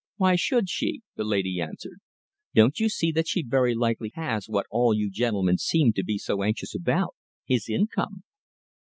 "Why should she?" the lady answered. "Don't you see that she very likely has what all you gentlemen seem to be so anxious about his income?"